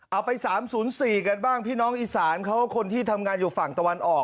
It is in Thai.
เอาไป๓๐๔กันบ้างพี่น้องอีสานเขาคนที่ทำงานอยู่ฝั่งตะวันออก